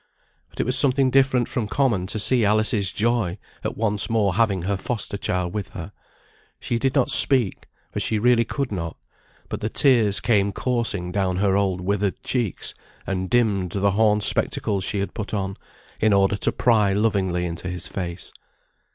But it was something different from common to see Alice's joy at once more having her foster child with her. She did not speak, for she really could not; but the tears came coursing down her old withered cheeks, and dimmed the horn spectacles she had put on, in order to pry lovingly into his face.